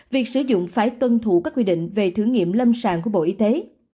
việc sử dụng phải tuân thủ các quy định về thử nghiệm lâm sàng của bộ y tế